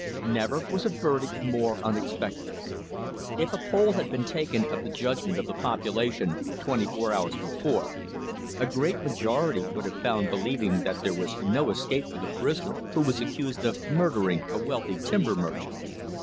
Never was a verdict more unexpected. If a poll had been taken of the judgment of the population twenty four hours before, a great majority would have been found believing that there was no escape for the prisoner, who was accused of murdering a wealthy timber merchant.